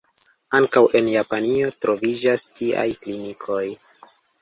Ankaŭ en Japanio troviĝas tiaj klinikoj.